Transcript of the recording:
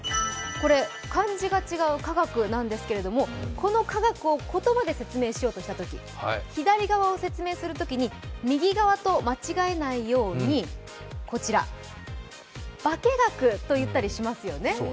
これ、漢字が違う「かがく」なんですけどこの「かがく」を言葉で説明しようとしたとき、左側を説明するときに右側と間違えないようにこちら「ばけがく」と言ったりしますよね。